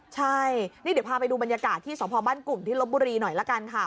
ใช่นี่เดี๋ยวพาไปดูบรรยากาศที่สพบ้านกลุ่มที่ลบบุรีหน่อยละกันค่ะ